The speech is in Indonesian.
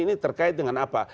ini terkait dengan apa